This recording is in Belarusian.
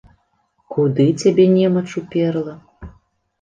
Куды цябе немач уперла?